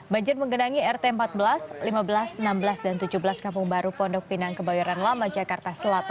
banjir menggenangi rt empat belas lima belas enam belas dan tujuh belas kampung baru pondok pinang kebayoran lama jakarta selatan